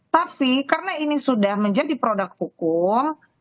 tapi karena ini sudah menjadi produk hukum